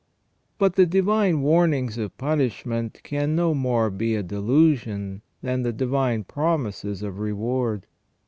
But the divine warnings of punishment can no more be a delusion than the divine promises of reward.